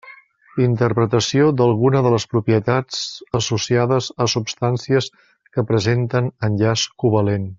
Interpretació d'alguna de les propietats associades a substàncies que presenten enllaç covalent.